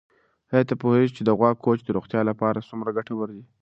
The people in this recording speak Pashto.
آیا ته پوهېږې چې د غوا کوچ د روغتیا لپاره څومره ګټور دی؟